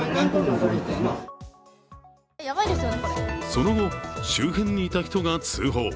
その後、周辺にいた人が通報。